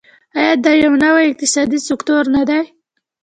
آیا دا یو نوی اقتصادي سکتور نه دی؟